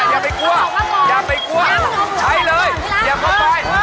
อย่าไปกลัวอย่าไปกลัวใช้เลยอย่าเข้าไป